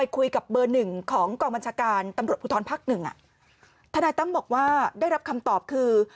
ของกองบัญชาการตำรวจผู้ท้อนภักดิ์๑อ่ะท่านายตั้มบอกว่าได้รับคำตอบคือ